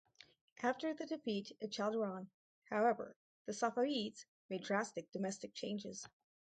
After the defeat at Chaldiran, however, the Safavids made drastic domestic changes.